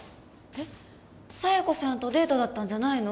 えっ佐弥子さんとデートだったんじゃないの？